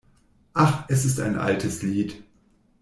Ach, es ist ein altes Lied!